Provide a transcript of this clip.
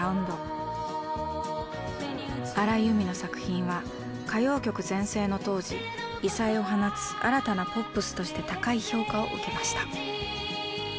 荒井由実の作品は歌謡曲全盛の当時異彩を放つ新たなポップスとして高い評価を受けました。